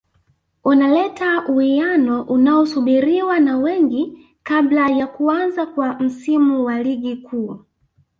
unaleta uwiano unaosubiriwa na wengi kabla ya kuanza kwa msimu wa ligi kuu